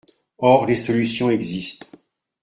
Or les solutions existent.